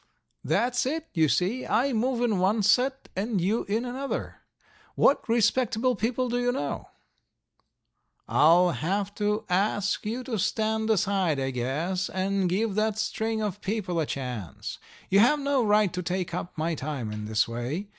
"That's it, you see. I move in one set and you in another. What respectable people do you know?" "I'll have to ask you to stand aside, I guess, and give that string of people a chance. You have no right to take up my time in this way.